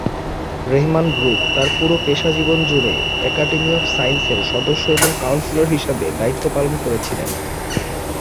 Hermann Brück তার পুরো পেশাজীবন জুড়ে একাডেমি অফ সায়েন্সের সদস্য এবং কাউন্সিলর হিসাবে দায়িত্ব পালন করেছিলেন।